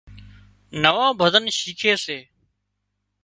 نوان ڀزن شيکي سي